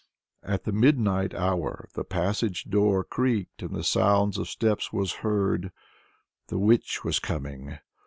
At the midnight hour the passage door creaked and the sound of steps was heard; the witch was coming!